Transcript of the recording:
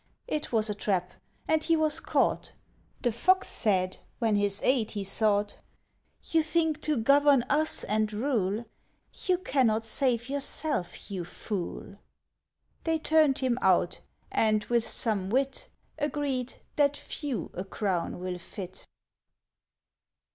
It was a trap, and he was caught. The Fox said, when his aid he sought, "You think to govern us and rule; You cannot save yourself, you fool!" They turned him out, and, with some wit, Agreed that few a crown will fit.